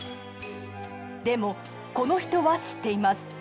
でもこの人は知っています。